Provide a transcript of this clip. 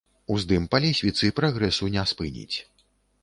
Уздым па лесвіцы прагрэсу не спыніць.